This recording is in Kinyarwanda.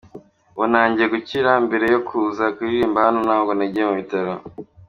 Ubu ntangiye gukira, mbere yo kuza kuririmba hano nabwo nagiye mu bitaro.